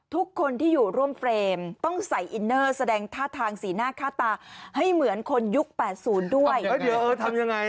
ทุกคนที่อยู่ร่วมเฟรมต้องใส่อินเนอร์แสดงท่าทางสีหน้าค่าตาให้เหมือนคนยุค๘๐ด้วย